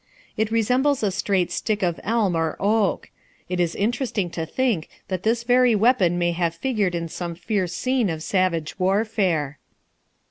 It resembles a straight stick of elm or oak. It is interesting to think that this very weapon may have figured in some fierce scene of savage warfare.